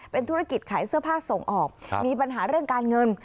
เป็นธุรกิจขายเสื้อผ้าส่งออกมีปัญหาเรื่องการเงิน